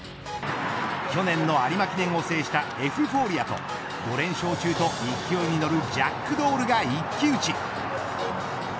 去年の有馬記念を制したエフフォーリアと５連勝中と勢いに乗るジャックドールが一騎打ち。